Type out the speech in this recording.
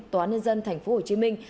tòa nhân dân thành phố hồ chí minh